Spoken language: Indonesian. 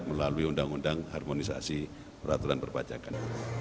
melalui undang undang harmonisasi peraturan perpajakan